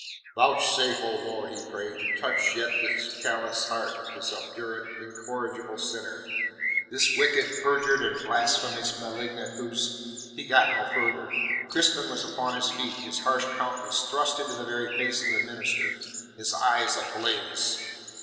"Vouchsafe, O Lord," he prayed, "to touch yet the callous heart of this obdurate, incorrigible sinner, this wicked, perjured and blasphemous malignant, whose " He got no further. Crispin was upon his feet, his harsh countenance thrust into the very face of the minister; his eyes ablaze.